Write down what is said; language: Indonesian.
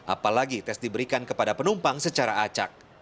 apalagi tes diberikan kepada penumpang secara acak